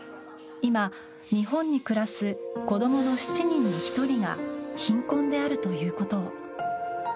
今、日本に暮らす子供の７人に１人が貧困であるということを。